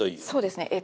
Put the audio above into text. そうですね。